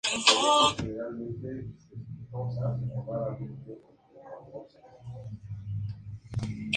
Tuvieron dos hijas y un hijo.